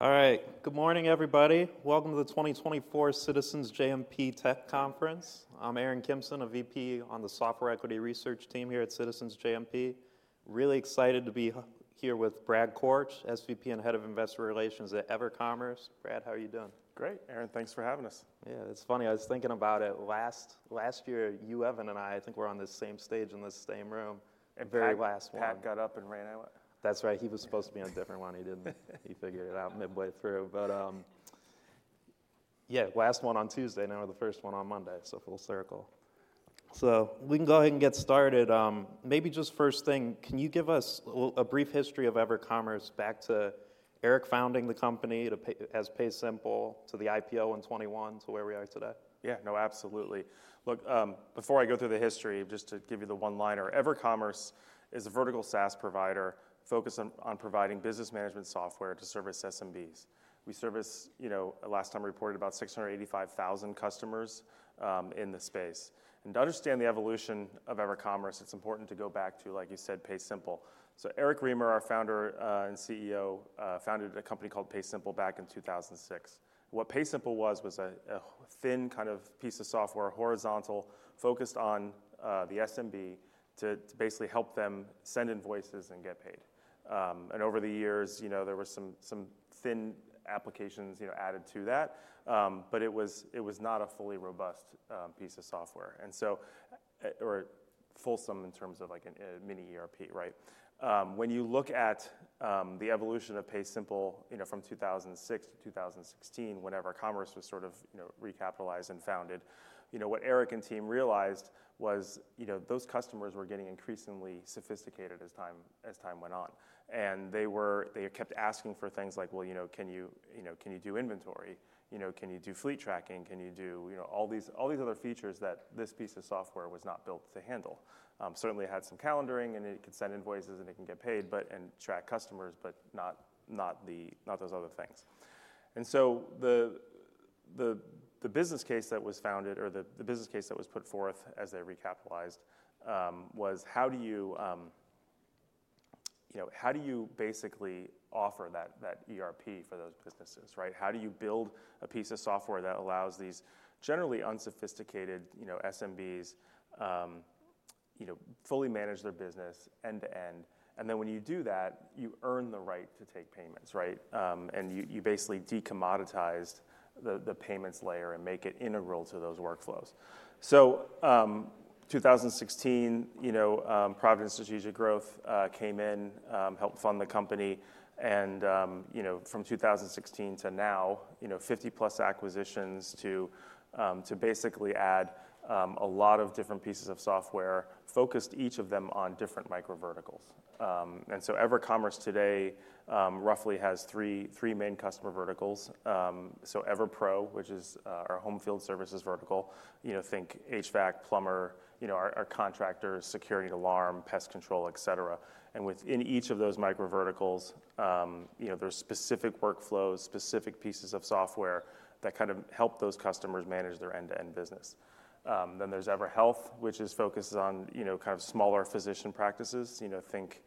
All right, good morning everybody. Welcome to the 2024 Citizens JMP Tech Conference. I'm Aaron Kimson, a VP on the software equity research team here at Citizens JMP. Really excited to be here with Brad Korch, SVP and Head of Investor Relations at EverCommerce. Brad, how are you doing? Great, Aaron. Thanks for having us. Yeah, it's funny. I was thinking about it. Last year, you, Evan, and I, I think we're on this same stage in this same room. And very— My last one. Pat got up and Ryan— That's right. He was supposed to be on a different one. He didn't. He figured it out midway through. But yeah, last one on Tuesday, now we're the first one on Monday, so full circle. So we can go ahead and get started. Maybe just first thing, can you give us a brief history of EverCommerce, back to Eric founding the company as PaySimple, to the IPO in 2021, to where we are today? Yeah, no, absolutely. Look, before I go through the history, just to give you the one-liner, EverCommerce is a vertical SaaS provider focused on providing business management software to service SMBs. We service, last time reported, about 685,000 customers in the space. And to understand the evolution of EverCommerce, it's important to go back to, like you said, PaySimple. So Eric Remer, our founder and CEO, founded a company called PaySimple back in 2006. What PaySimple was, was a thin kind of piece of software, horizontal, focused on the SMB, to basically help them send invoices and get paid. And over the years, there were some thin applications added to that, but it was not a fully robust piece of software, or fulsome in terms of a mini-ERP, right? When you look at the evolution of PaySimple from 2006 to 2016, when EverCommerce was sort of recapitalized and founded, what Eric and team realized was those customers were getting increasingly sophisticated as time went on. They kept asking for things like, "Well, can you do inventory? Can you do fleet tracking? Can you do all these other features that this piece of software was not built to handle?" Certainly, it had some calendaring, and it could send invoices, and it can get paid and track customers, but not those other things. So the business case that was founded, or the business case that was put forth as they recapitalized, was how do you basically offer that ERP for those businesses, right? How do you build a piece of software that allows these generally unsophisticated SMBs to fully manage their business end to end? And then when you do that, you earn the right to take payments, right? And you basically decommoditize the payments layer and make it integral to those workflows. So 2016, Providence Strategic Growth came in, helped fund the company. And from 2016 to now, 50+ acquisitions to basically add a lot of different pieces of software, focused each of them on different microverticals. And so EverCommerce today roughly has three main customer verticals. So EverPro, which is our home field services vertical, think HVAC, plumber, our contractors, security alarm, pest control, et cetera. And within each of those microverticals, there are specific workflows, specific pieces of software that kind of help those customers manage their end-to-end business. Then there's EverHealth, which focuses on kind of smaller physician practices. Think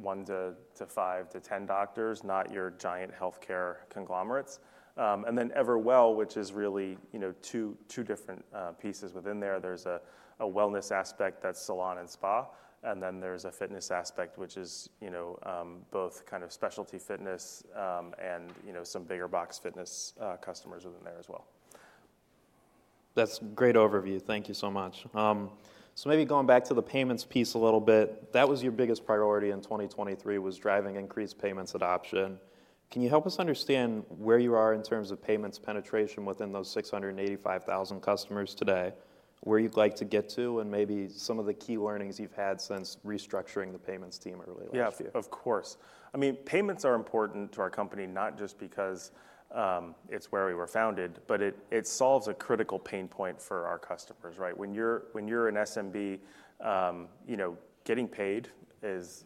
one to five to 10 doctors, not your giant healthcare conglomerates. And then EverWell, which is really two different pieces within there. There's a wellness aspect that's salon and spa. And then there's a fitness aspect, which is both kind of specialty fitness and some bigger box fitness customers within there as well. That's a great overview. Thank you so much. So maybe going back to the payments piece a little bit, that was your biggest priority in 2023, was driving increased payments adoption. Can you help us understand where you are in terms of payments penetration within those 685,000 customers today? Where you'd like to get to, and maybe some of the key learnings you've had since restructuring the payments team early last year? Yeah, of course. I mean, payments are important to our company, not just because it's where we were founded, but it solves a critical pain point for our customers, right? When you're an SMB, getting paid is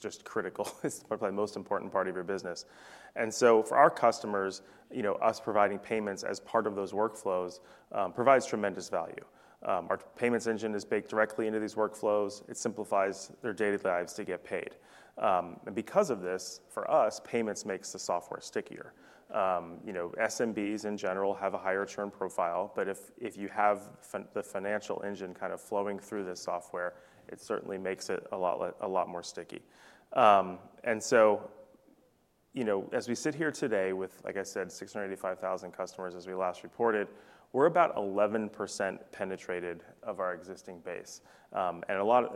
just critical. It's probably the most important part of your business. And so for our customers, us providing payments as part of those workflows provides tremendous value. Our payments engine is baked directly into these workflows. It simplifies their daily lives to get paid. And because of this, for us, payments makes the software stickier. SMBs, in general, have a higher-churn profile, but if you have the financial engine kind of flowing through this software, it certainly makes it a lot more sticky. And so as we sit here today with, like I said, 685,000 customers as we last reported, we're about 11% penetrated of our existing base. And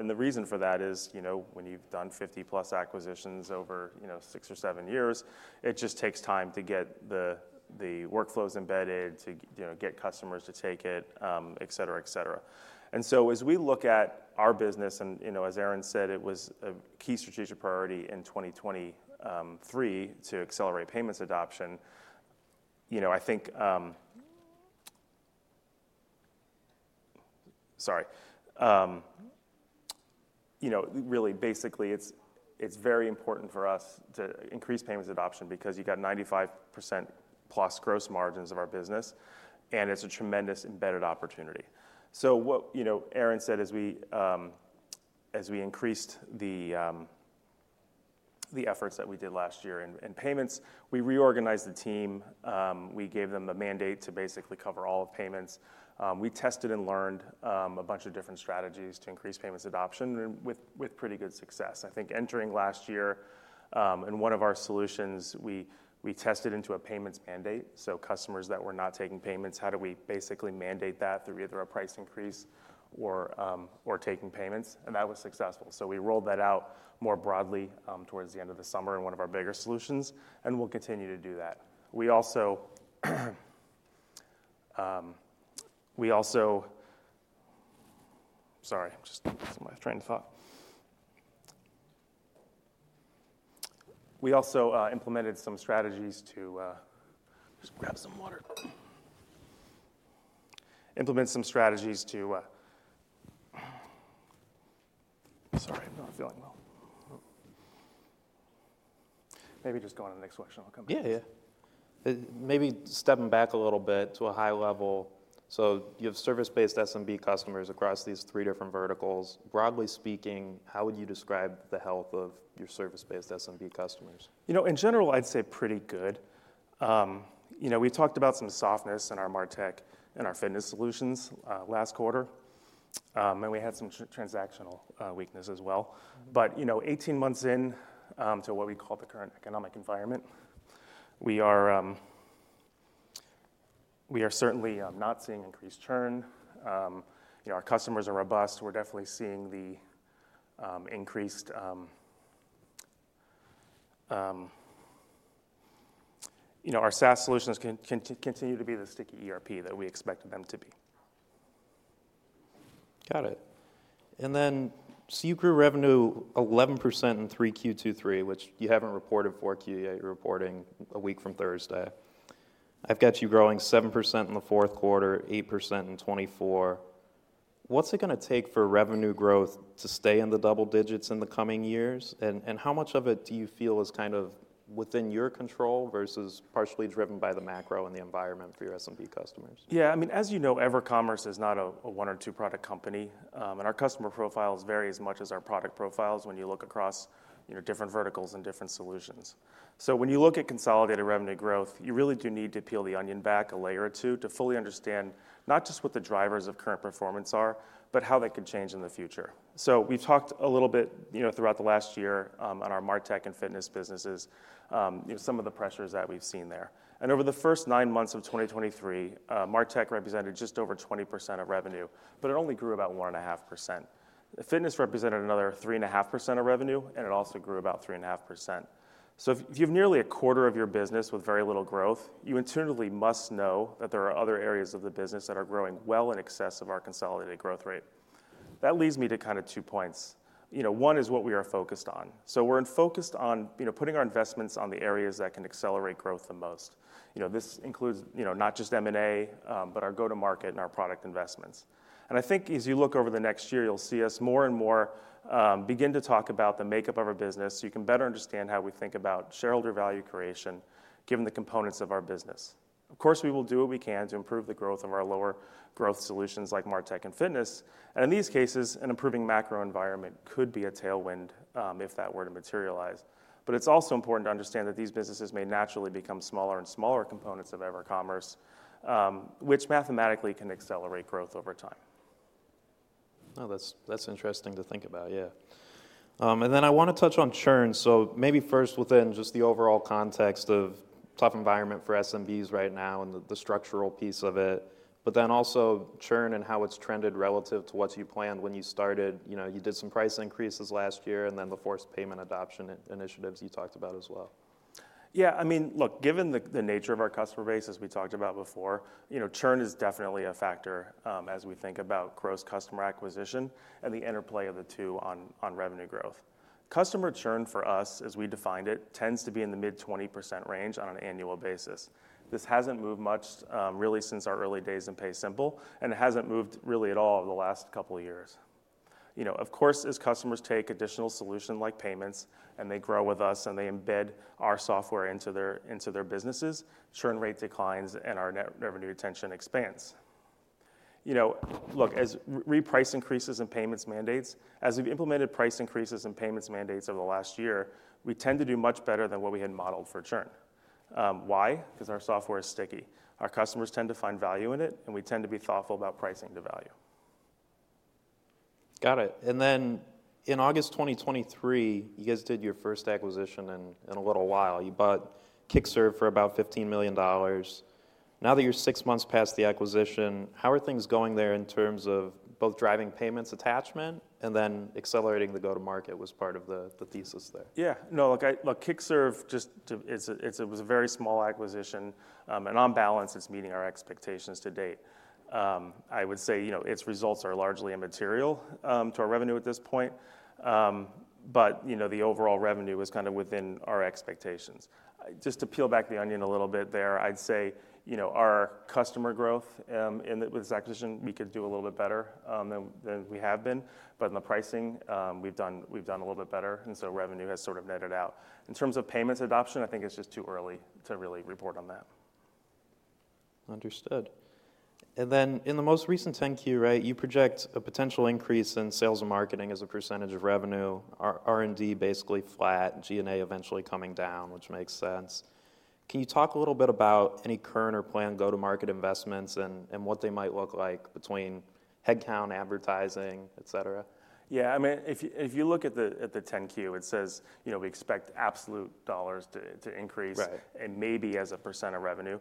the reason for that is when you've done 50+ acquisitions over six or seven years, it just takes time to get the workflows embedded, to get customers to take it, et cetera, et cetera. And so as we look at our business, and as Aaron said, it was a key strategic priority in 2023 to accelerate payments adoption. I think sorry. Really, basically, it's very important for us to increase payments adoption because you've got 95%+ gross margins of our business, and it's a tremendous embedded opportunity. So what Aaron said, as we increased the efforts that we did last year in payments, we reorganized the team. We gave them a mandate to basically cover all of payments. We tested and learned a bunch of different strategies to increase payments adoption with pretty good success. I think entering last year, in one of our solutions, we tested into a payments mandate. So customers that were not taking payments, how do we basically mandate that through either a price increase or taking payments? And that was successful. So we rolled that out more broadly towards the end of the summer in one of our bigger solutions, and we'll continue to do that. We also, sorry, I'm just somebody's trying to talk. We also implemented some strategies to just grab some water. Implement some strategies to, sorry, I'm not feeling well. Maybe just go on to the next question, and I'll come back. Yeah, yeah. Maybe stepping back a little bit to a high level. So you have service-based SMB customers across these three different verticals. Broadly speaking, how would you describe the health of your service-based SMB customers? In general, I'd say pretty good. We talked about some softness in our martech and our fitness solutions last quarter, and we had some transactional weakness as well. But 18 months into what we call the current economic environment, we are certainly not seeing increased churn. Our customers are robust. We're definitely seeing the increased our SaaS solutions continue to be the sticky ERP that we expect them to be. Got it. And then so you grew revenue 11% in 3Q23, which you haven't reported 4Q yet. You're reporting a week from Thursday. I've got you growing 7% in the fourth quarter, 8% in 2024. What's it going to take for revenue growth to stay in the double digits in the coming years? And how much of it do you feel is kind of within your control versus partially driven by the macro and the environment for your SMB customers? Yeah, I mean, as you know, EverCommerce is not a one or two product company. And our customer profiles vary as much as our product profiles when you look across different verticals and different solutions. So when you look at consolidated revenue growth, you really do need to peel the onion back a layer or two to fully understand not just what the drivers of current performance are, but how they could change in the future. So we've talked a little bit throughout the last year on our martech and fitness businesses, some of the pressures that we've seen there. And over the first nine months of 2023, martech represented just over 20% of revenue, but it only grew about 1.5%. Fitness represented another 3.5% of revenue, and it also grew about 3.5%. So if you have nearly a quarter of your business with very little growth, you intuitively must know that there are other areas of the business that are growing well in excess of our consolidated growth rate. That leads me to kind of two points. One is what we are focused on. So we're focused on putting our investments on the areas that can accelerate growth the most. This includes not just M&A, but our go-to-market and our product investments. And I think as you look over the next year, you'll see us more and more begin to talk about the makeup of our business so you can better understand how we think about shareholder value creation given the components of our business. Of course, we will do what we can to improve the growth of our lower growth solutions like martech and fitness. In these cases, an improving macro environment could be a tailwind if that were to materialize. It's also important to understand that these businesses may naturally become smaller and smaller components of EverCommerce, which mathematically can accelerate growth over time. Oh, that's interesting to think about, yeah. And then I want to touch on churn. So maybe first within just the overall context of tough environment for SMBs right now and the structural piece of it, but then also churn and how it's trended relative to what you planned when you started. You did some price increases last year, and then the forced payment adoption initiatives you talked about as well. Yeah, I mean, look, given the nature of our customer base, as we talked about before, churn is definitely a factor as we think about gross customer acquisition and the interplay of the two on revenue growth. Customer churn for us, as we defined it, tends to be in the mid-20% range on an annual basis. This hasn't moved much really since our early days in PaySimple, and it hasn't moved really at all over the last couple of years. Of course, as customers take additional solution-like payments and they grow with us and they embed our software into their businesses, churn rate declines and our net revenue retention expands. Look, as price increases and payments mandates, as we've implemented price increases and payments mandates over the last year, we tend to do much better than what we had modeled for churn. Why? Because our software is sticky. Our customers tend to find value in it, and we tend to be thoughtful about pricing to value. Got it. And then in August 2023, you guys did your first acquisition in a little while. You bought Kickserv for about $15 million. Now that you're six months past the acquisition, how are things going there in terms of both driving payments attachment and then accelerating the go-to-market was part of the thesis there? Yeah, no, look, Kickserv, it was a very small acquisition, and on balance, it's meeting our expectations to date. I would say its results are largely immaterial to our revenue at this point, but the overall revenue was kind of within our expectations. Just to peel back the onion a little bit there, I'd say our customer growth with this acquisition, we could do a little bit better than we have been. But in the pricing, we've done a little bit better, and so revenue has sort of netted out. In terms of payments adoption, I think it's just too early to really report on that. Understood. And then in the most recent 10-Q, right, you project a potential increase in sales and marketing as a percentage of revenue, R&D basically flat, G&A eventually coming down, which makes sense. Can you talk a little bit about any current or planned go-to-market investments and what they might look like between headcount, advertising, et cetera? Yeah, I mean, if you look at the 10-Q, it says we expect absolute dollars to increase and maybe as a percent of revenue.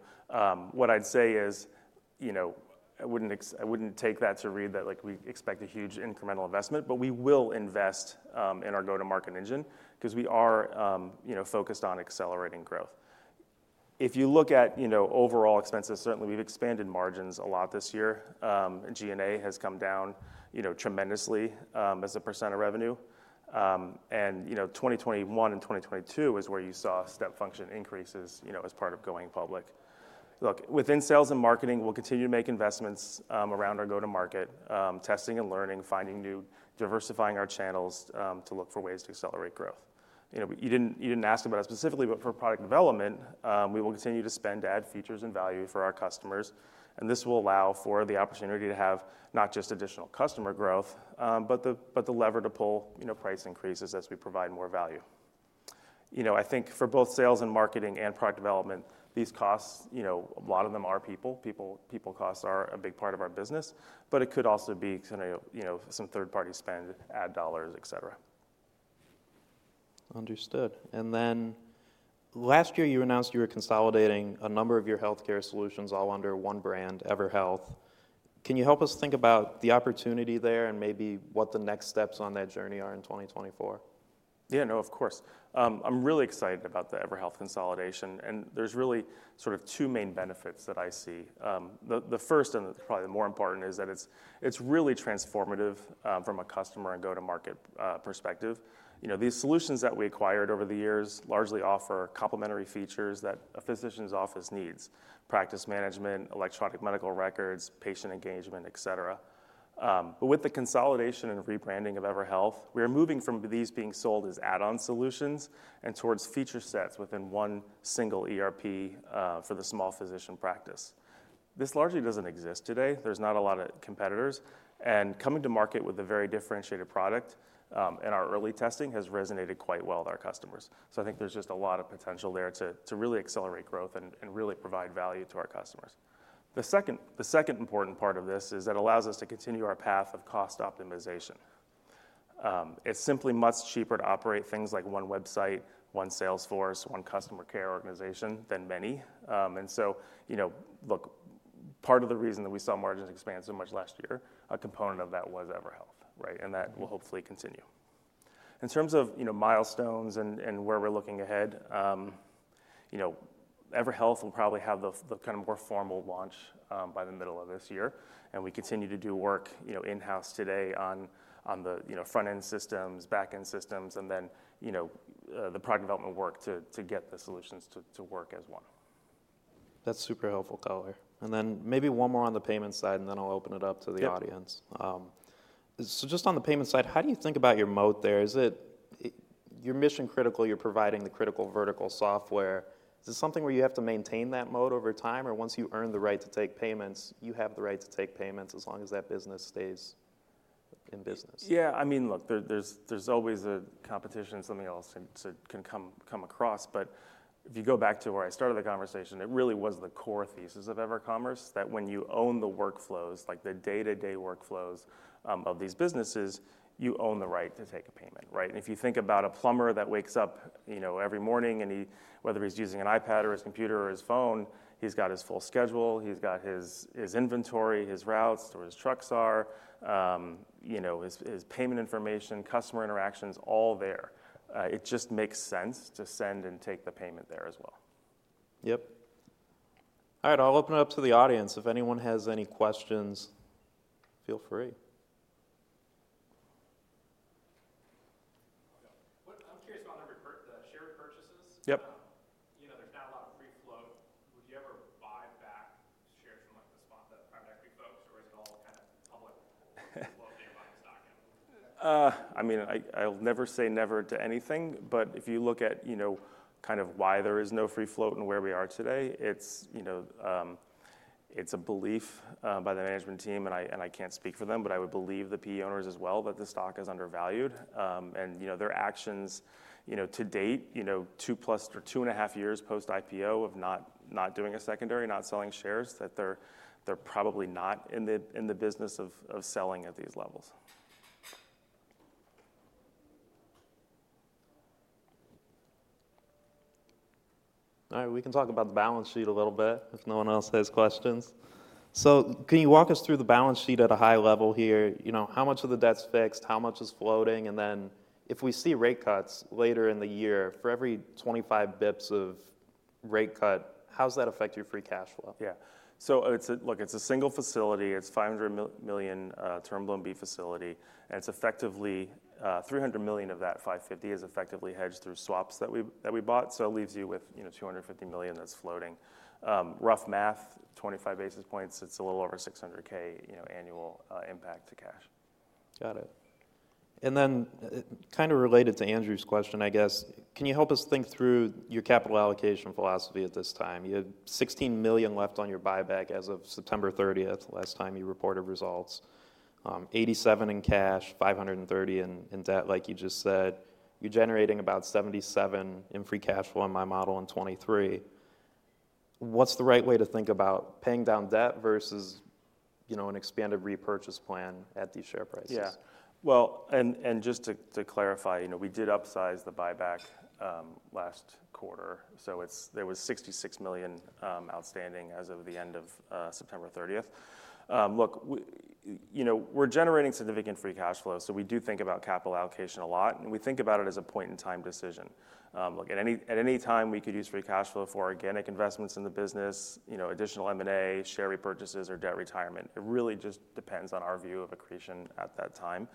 What I'd say is I wouldn't take that to read that we expect a huge incremental investment, but we will invest in our go-to-market engine because we are focused on accelerating growth. If you look at overall expenses, certainly we've expanded margins a lot this year. G&A has come down tremendously as a percent of revenue. 2021 and 2022 is where you saw step function increases as part of going public. Look, within sales and marketing, we'll continue to make investments around our go-to-market, testing and learning, finding new diversifying our channels to look for ways to accelerate growth. You didn't ask about us specifically, but for product development, we will continue to spend, add features, and value for our customers. This will allow for the opportunity to have not just additional customer growth, but the lever to pull price increases as we provide more value. I think for both sales and marketing and product development, these costs, a lot of them are people. People costs are a big part of our business, but it could also be some third-party spend, add dollars, et cetera. Understood. Last year, you announced you were consolidating a number of your healthcare solutions all under one brand, EverHealth. Can you help us think about the opportunity there and maybe what the next steps on that journey are in 2024? Yeah, no, of course. I'm really excited about the EverHealth consolidation, and there's really sort of two main benefits that I see. The first, and probably the more important, is that it's really transformative from a customer and go-to-market perspective. These solutions that we acquired over the years largely offer complementary features that a physician's office needs: practice management, electronic medical records, patient engagement, et cetera. But with the consolidation and rebranding of EverHealth, we are moving from these being sold as add-on solutions and towards feature sets within one single ERP for the small physician practice. This largely doesn't exist today. There's not a lot of competitors. And coming to market with a very differentiated product and our early testing has resonated quite well with our customers. So I think there's just a lot of potential there to really accelerate growth and really provide value to our customers. The second important part of this is it allows us to continue our path of cost optimization. It's simply much cheaper to operate things like one website, one sales force, one customer care organization than many. And so, look, part of the reason that we saw margins expand so much last year, a component of that was EverHealth, right? And that will hopefully continue. In terms of milestones and where we're looking ahead, EverHealth will probably have the kind of more formal launch by the middle of this year. And we continue to do work in-house today on the front-end systems, back-end systems, and then the product development work to get the solutions to work as one. That's super helpful, Color. Then maybe one more on the payments side, and then I'll open it up to the audience. Just on the payments side, how do you think about your mode there? Is it you're mission critical? You're providing the critical vertical software. Is it something where you have to maintain that mode over time, or once you earn the right to take payments, you have the right to take payments as long as that business stays in business? Yeah, I mean, look, there's always a competition. Something else can come across. But if you go back to where I started the conversation, it really was the core thesis of EverCommerce that when you own the workflows, like the day-to-day workflows of these businesses, you own the right to take a payment, right? And if you think about a plumber that wakes up every morning, whether he's using an iPad or his computer or his phone, he's got his full schedule. He's got his inventory, his routes, where his trucks are, his payment information, customer interactions, all there. It just makes sense to send and take the payment there as well. Yep. All right, I'll open it up to the audience. If anyone has any questions, feel free. I'm curious about the share purchases. There's not a lot of free float. Would you ever buy back shares from the private equity folks, or is it all kind of public float that you're buying stock in? I mean, I'll never say never to anything. But if you look at kind of why there is no free float and where we are today, it's a belief by the management team, and I can't speak for them, but I would believe the PE owners as well that the stock is undervalued. And their actions to date, 2+ or 2.5 years post-IPO of not doing a secondary, not selling shares, that they're probably not in the business of selling at these levels. All right, we can talk about the balance sheet a little bit if no one else has questions. So can you walk us through the balance sheet at a high level here? How much of the debt's fixed? How much is floating? And then if we see rate cuts later in the year, for every 25 basis points of rate cut, how does that affect your free cash flow? Yeah, so look, it's a single facility. It's a $500 million Term Loan B facility. And it's effectively $300 million of that $550 million is effectively hedged through swaps that we bought. So it leaves you with $250 million that's floating. Rough math, 25 basis points, it's a little over $600K annual impact to cash. Got it. And then kind of related to Andrew's question, I guess, can you help us think through your capital allocation philosophy at this time? You have $16 million left on your buyback as of September 30th, the last time you reported results, $87 million in cash, $530 million in debt, like you just said. You're generating about $77 million in free cash flow in my model in 2023. What's the right way to think about paying down debt versus an expanded repurchase plan at these share prices? Yeah, well, and just to clarify, we did upsize the buyback last quarter. So there was $66 million outstanding as of the end of September 30th. Look, we're generating significant free cash flow, so we do think about capital allocation a lot, and we think about it as a point-in-time decision. Look, at any time we could use free cash flow for organic investments in the business, additional M&A, share repurchases, or debt retirement. It really just depends on our view of accretion at that time.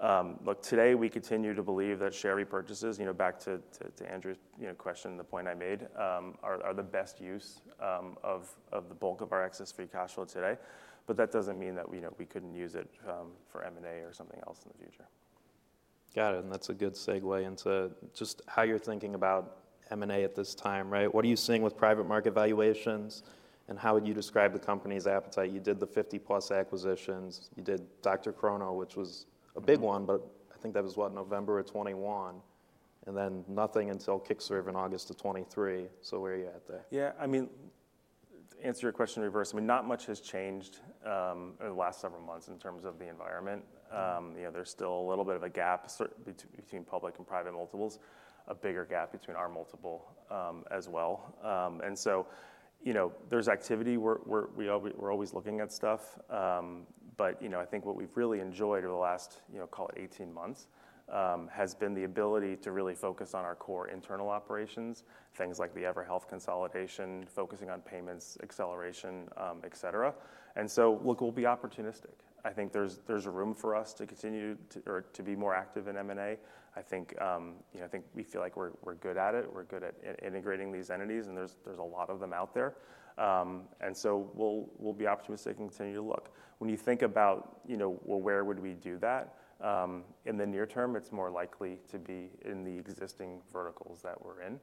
Look, today, we continue to believe that share repurchases, back to Andrew's question, the point I made, are the best use of the bulk of our excess free cash flow today. But that doesn't mean that we couldn't use it for M&A or something else in the future. Got it, and that's a good segue into just how you're thinking about M&A at this time, right? What are you seeing with private market valuations, and how would you describe the company's appetite? You did the 50-plus acquisitions. You did DrChrono, which was a big one, but I think that was, what, November of 2021, and then nothing until Kickserv in August of 2023. So where are you at there? Yeah, I mean, to answer your question reverse, I mean, not much has changed over the last several months in terms of the environment. There's still a little bit of a gap between public and private multiples, a bigger gap between our multiple as well. And so there's activity. We're always looking at stuff. But I think what we've really enjoyed over the last, call it, 18 months has been the ability to really focus on our core internal operations, things like the EverHealth consolidation, focusing on payments acceleration, et cetera. And so, look, we'll be opportunistic. I think there's room for us to continue to be more active in M&A. I think we feel like we're good at it. We're good at integrating these entities, and there's a lot of them out there. And so we'll be opportunistic and continue to look. When you think about, well, where would we do that in the near term, it's more likely to be in the existing verticals that we're in.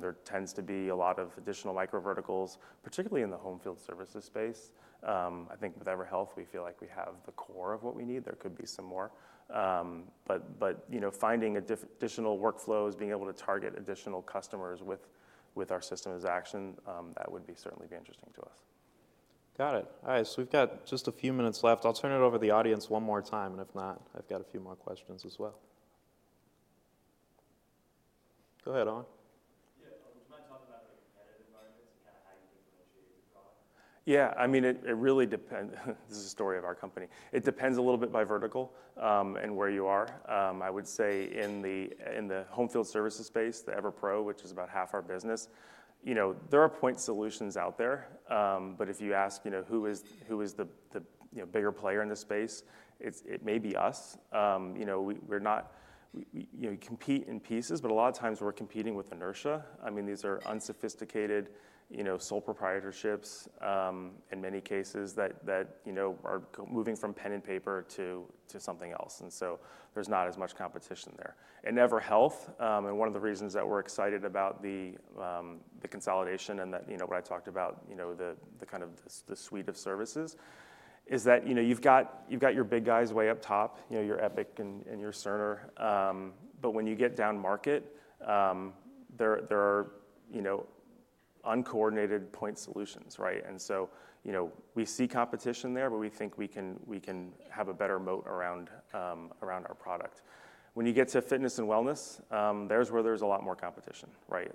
There tends to be a lot of additional micro verticals, particularly in the home field services space. I think with EverHealth, we feel like we have the core of what we need. There could be some more. But finding additional workflows, being able to target additional customers with our system as action, that would certainly be interesting to us. Got it. All right, so we've got just a few minutes left. I'll turn it over to the audience one more time, and if not, I've got a few more questions as well. Go ahead, Owen. Yeah, do you mind talking about the competitive environments and kind of how you differentiate your product? Yeah, I mean, it really depends. This is a story of our company. It depends a little bit by vertical and where you are. I would say in the home field services space, the EverPro, which is about half our business, there are point solutions out there. But if you ask who is the bigger player in this space, it may be us. We compete in pieces, but a lot of times, we're competing with inertia. I mean, these are unsophisticated sole proprietorships in many cases that are moving from pen and paper to something else. And so there's not as much competition there. In EverHealth, and one of the reasons that we're excited about the consolidation and what I talked about, the kind of suite of services, is that you've got your big guys way up top, your Epic and your Cerner. But when you get down market, there are uncoordinated point solutions, right? And so we see competition there, but we think we can have a better moat around our product. When you get to fitness and wellness, there's where there's a lot more competition, right?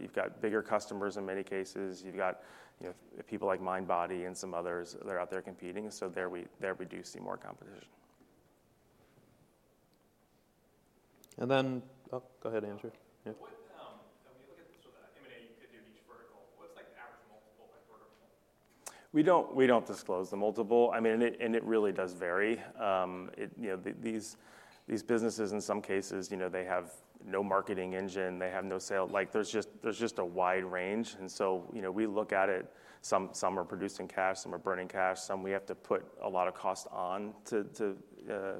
You've got bigger customers in many cases. You've got people like Mindbody and some others that are out there competing. So there we do see more competition. And then go ahead, Andrew. When you look at sort of the M&A you could do in each vertical, what's the average multiple by vertical? We don't disclose the multiple. I mean, and it really does vary. These businesses, in some cases, they have no marketing engine. They have no sale. There's just a wide range. And so we look at it. Some are producing cash. Some are burning cash. Some we have to put a lot of cost on to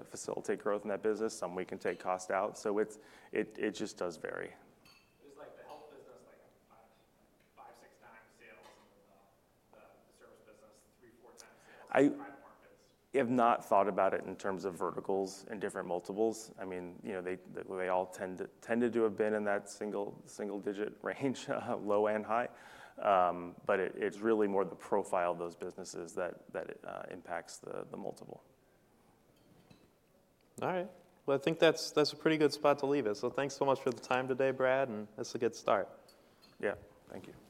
facilitate growth in that business. Some we can take cost out. So it just does vary. Is the health business like 5x-6x sales and then the service business 3x-4x sales in private markets? I have not thought about it in terms of verticals and different multiples. I mean, they all tend to have been in that single-digit range, low and high. But it's really more the profile of those businesses that impacts the multiple. All right, well, I think that's a pretty good spot to leave it. So thanks so much for the time today, Brad, and that's a good start. Yeah, thank you.